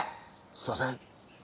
すいません